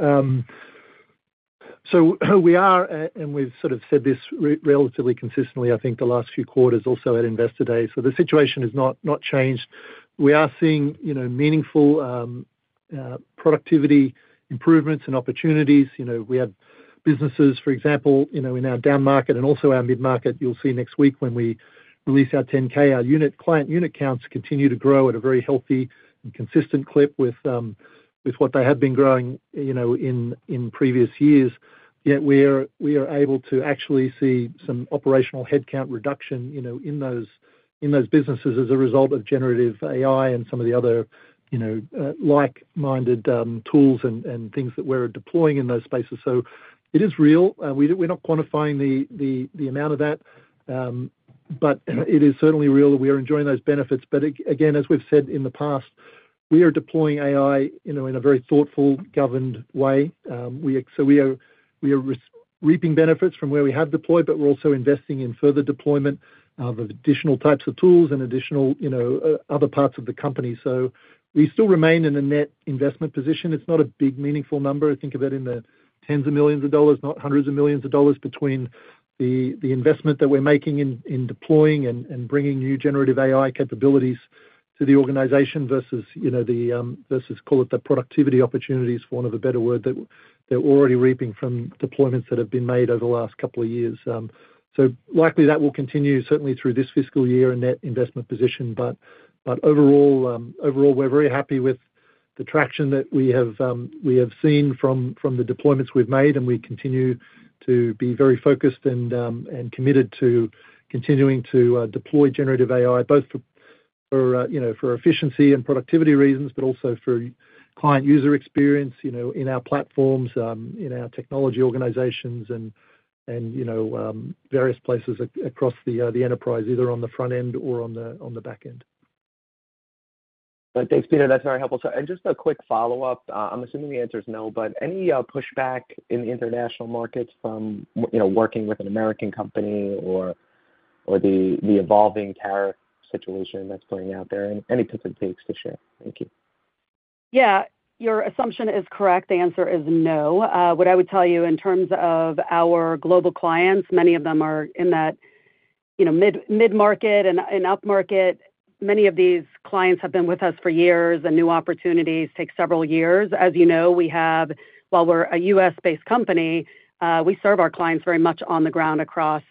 Speaker 4: We are, and we've sort of said this relatively consistently, I think, the last few quarters also at Investor Day. The situation has not changed. We are seeing meaningful productivity improvements and opportunities. We have businesses, for example, in our down market and also our mid-market. You'll see next week when we release our 10K, our client unit counts continue to grow at a very healthy and consistent clip with what they have been growing in previous years. We are able to actually see some operational headcount reduction in those businesses as a result of generative AI and some of the other like-minded tools and things that we're deploying in those spaces. It is real. We're not quantifying the amount of that, but it is certainly real that we are enjoying those benefits. As we've said in the past, we are deploying AI in a very thoughtful, governed way. We are reaping benefits from where we have deployed, but we're also investing in further deployment of additional types of tools and additional other parts of the company. We still remain in a net investment position. It's not a big meaningful number. I think of it in the tens of millions of dollars, not hundreds of millions of dollars between the investment that we're making in deploying and bringing new generative AI capabilities to the organization versus the, call it, the productivity opportunities, for want of a better word, that they're already reaping from deployments that have been made over the last couple of years. Likely that will continue, certainly through this fiscal year and that investment position. Overall, we're very happy with the traction that we have seen from the deployments we've made. We continue to be very focused and committed to continuing to deploy generative AI, both for efficiency and productivity reasons, but also for client user experience in our platforms, in our technology organizations, and various places across the enterprise, either on the front end or on the back end.
Speaker 15: Thanks, Peter. That's very helpful. Just a quick follow-up. I'm assuming the answer is no, but any pushback in the international markets from working with an American company or the evolving tariff situation that's playing out there? Any tips and takes to share? Thank you.
Speaker 3: Yeah, your assumption is correct. The answer is no. What I would tell you in terms of our global clients, many of them are in that mid-market and up-market. Many of these clients have been with us for years, and new opportunities take several years. As you know, while we're a U.S.-based company, we serve our clients very much on the ground across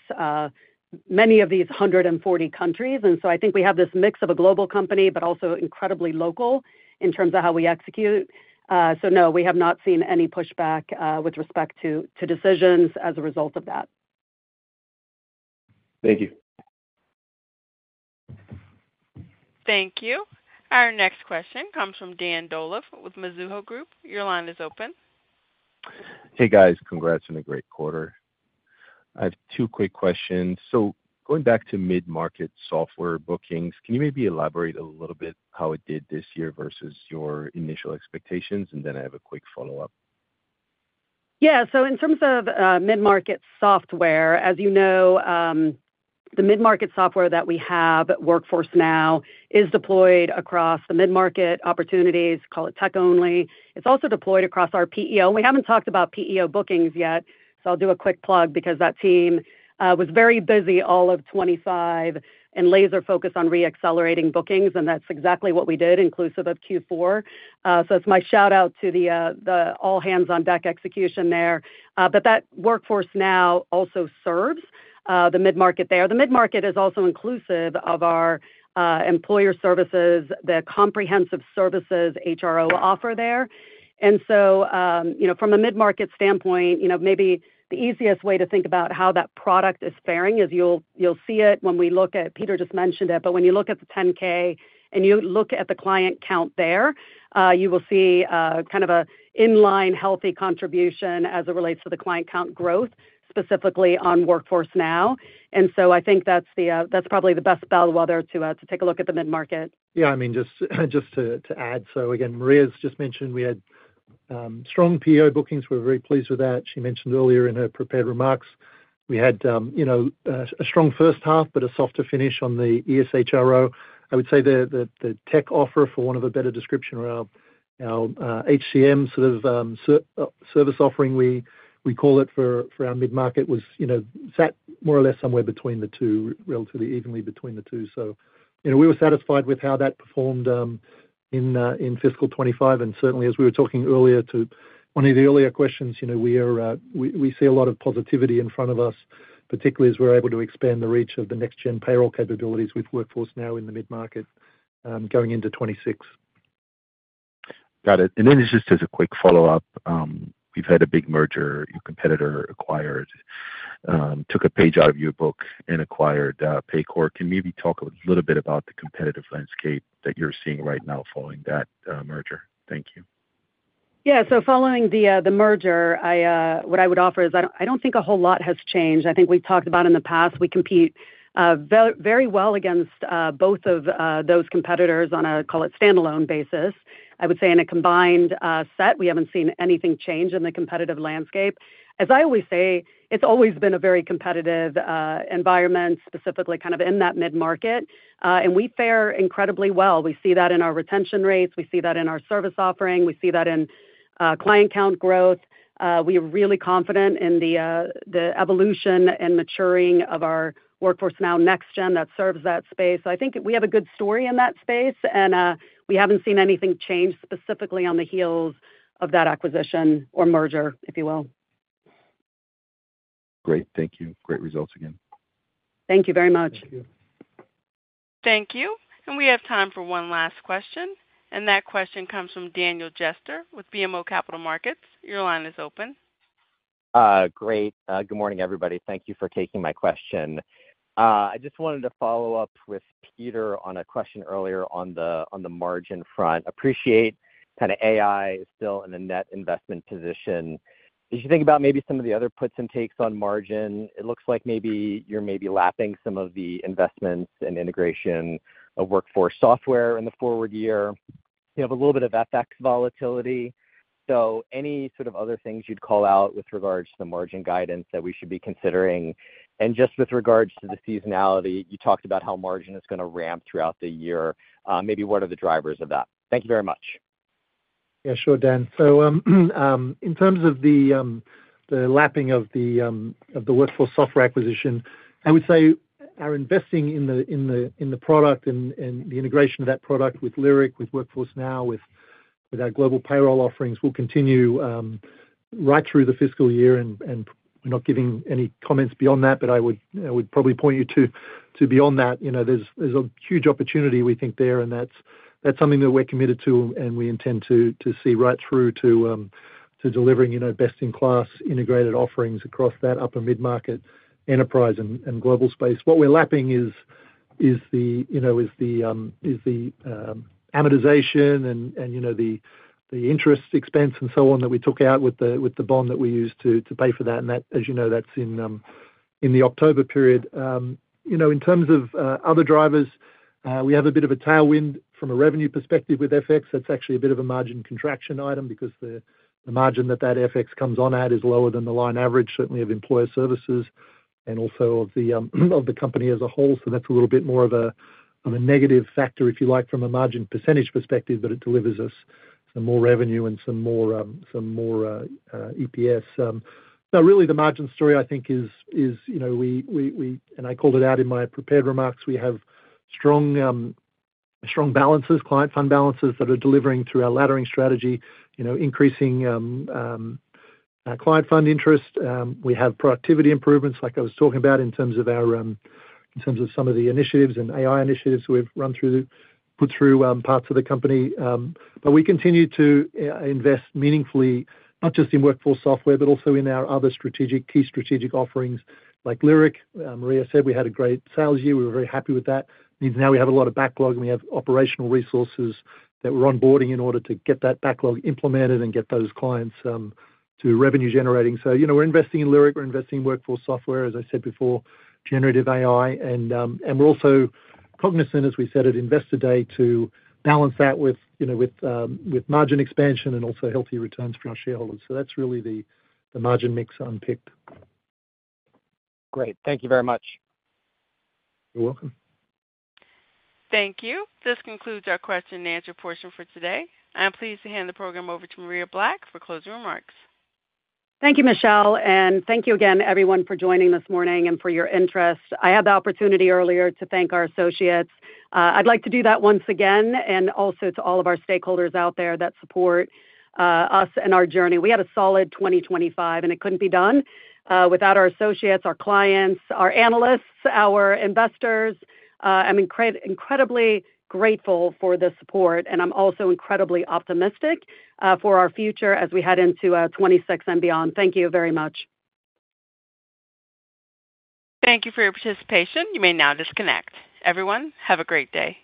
Speaker 3: many of these 140 countries. I think we have this mix of a global company, but also incredibly local in terms of how we execute. No, we have not seen any pushback with respect to decisions as a result of that.
Speaker 15: Thank you.
Speaker 1: Thank you. Our next question comes from Dan Dolev with Mizuho Group. Your line is open.
Speaker 16: Hey, guys. Congrats on a great quarter. I have two quick questions. Going back to mid-market software bookings, can you maybe elaborate a little bit how it did this year versus your initial expectations? I have a quick follow-up.
Speaker 3: Yeah. So in terms of mid-market software, as you know. The mid-market software that we have at Workforce Now is deployed across the mid-market opportunities, call it tech-only. It's also deployed across our PEO. And we haven't talked about PEO bookings yet. I'll do a quick plug because that team was very busy all of 2025 and laser-focused on re-accelerating bookings. That's exactly what we did, inclusive of Q4. It's my shout-out to the all-hands-on-deck execution there. That Workforce Now also serves the mid-market there. The mid-market is also inclusive of our employer services, the comprehensive services HRO offer there. From a mid-market standpoint, maybe the easiest way to think about how that product is faring is you'll see it when we look at Peter just mentioned it. When you look at the 10K and you look at the client count there, you will see kind of an inline healthy contribution as it relates to the client count growth, specifically on Workforce Now. I think that's probably the best bellwether to take a look at the mid-market.
Speaker 4: Yeah, I mean, just to add, Maria just mentioned we had strong PEO bookings. We're very pleased with that. She mentioned earlier in her prepared remarks, we had a strong first half, but a softer finish on the ESHRO. I would say the tech offer, for want of a better description, or our HCM sort of service offering, we call it for our mid-market, was sat more or less somewhere between the two, relatively evenly between the two. We were satisfied with how that performed in fiscal 2025. Certainly, as we were talking earlier to one of the earlier questions, we see a lot of positivity in front of us, particularly as we're able to expand the reach of the next-gen payroll capabilities with Workforce Now in the mid-market going into 2026.
Speaker 16: Got it. Just as a quick follow-up, we've had a big merger. Your competitor acquired, took a page out of your book and acquired Paycor. Can you maybe talk a little bit about the competitive landscape that you're seeing right now following that merger? Thank you.
Speaker 3: Yeah. Following the merger, what I would offer is I don't think a whole lot has changed. I think we've talked about in the past, we compete very well against both of those competitors on a, call it, standalone basis. I would say in a combined set, we haven't seen anything change in the competitive landscape. As I always say, it's always been a very competitive environment, specifically kind of in that mid-market. We fare incredibly well. We see that in our retention rates. We see that in our service offering. We see that in client count growth. We are really confident in the evolution and maturing of our Workforce Now NextGen that serves that space. I think we have a good story in that space. We haven't seen anything change specifically on the heels of that acquisition or merger, if you will.
Speaker 16: Great. Thank you. Great results again.
Speaker 3: Thank you very much.
Speaker 4: Thank you.
Speaker 1: Thank you. We have time for one last question. That question comes from Daniel Jester with BMO Capital Markets. Your line is open.
Speaker 17: Great. Good morning, everybody. Thank you for taking my question. I just wanted to follow up with Peter on a question earlier on the margin front. Appreciate kind of AI is still in a net investment position. As you think about maybe some of the other puts and takes on margin, it looks like maybe you're maybe lapping some of the investments and integration of Workforce Software in the forward year. You have a little bit of FX volatility. Any sort of other things you'd call out with regards to the margin guidance that we should be considering? Just with regards to the seasonality, you talked about how margin is going to ramp throughout the year. Maybe what are the drivers of that? Thank you very much.
Speaker 4: Yeah, sure, Dan. In terms of the lapping of the Workforce Software acquisition, I would say our investing in the product and the integration of that product with Lyric, with Workforce Now, with our global payroll offerings will continue right through the fiscal year. We're not giving any comments beyond that, but I would probably point you to beyond that. There's a huge opportunity, we think, there. That's something that we're committed to, and we intend to see right through to delivering best-in-class integrated offerings across that upper mid-market enterprise and global space. What we're lapping is the amortization and the interest expense and so on that we took out with the bond that we used to pay for that. As you know, that's in the October period. In terms of other drivers, we have a bit of a tailwind from a revenue perspective with FX. That's actually a bit of a margin contraction item because the margin that that FX comes on at is lower than the line average, certainly of Employer Services and also of the company as a whole. That's a little bit more of a negative factor, if you like, from a margin percentage perspective, but it delivers us some more revenue and some more EPS. Really, the margin story, I think, is, and I called it out in my prepared remarks, we have strong balances, client fund balances that are delivering through our laddering strategy, increasing client fund interest. We have productivity improvements, like I was talking about, in terms of some of the initiatives and AI initiatives we've put through parts of the company. We continue to invest meaningfully, not just in Workforce Software, but also in our other key strategic offerings like Lyric. Maria said we had a great sales year. We were very happy with that. Now we have a lot of backlog, and we have operational resources that we're onboarding in order to get that backlog implemented and get those clients to revenue-generating. We're investing in Lyric. We're investing in Workforce Software, as I said before, generative AI. We're also cognizant, as we said at Investor Day, to balance that with margin expansion and also healthy returns for our shareholders. That's really the margin mix unpicked.
Speaker 17: Great. Thank you very much.
Speaker 4: You're welcome.
Speaker 1: Thank you. This concludes our question-and-answer portion for today. I'm pleased to hand the program over to Maria Black for closing remarks.
Speaker 3: Thank you, Michelle. Thank you again, everyone, for joining this morning and for your interest. I had the opportunity earlier to thank our associates. I'd like to do that once again and also to all of our stakeholders out there that support us and our journey. We had a solid 2025, and it could not be done without our associates, our clients, our analysts, our investors. I'm incredibly grateful for the support, and I'm also incredibly optimistic for our future as we head into 2026 and beyond. Thank you very much.
Speaker 1: Thank you for your participation. You may now disconnect. Everyone, have a great day.